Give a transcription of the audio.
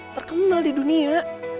terkenal di dunia